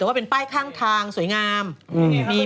แต่ว่าเป็นป้ายข้างทางสวยงาม